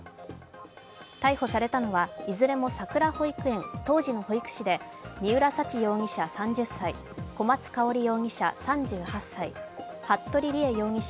逮捕されたのはいずれもさくら保育園、当時の保育士で三浦沙知容疑者３０歳、小松香織容疑者３８歳、服部理江容疑者